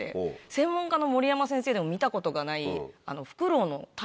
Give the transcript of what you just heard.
専門家の守山先生でも見たことがないフクロウの。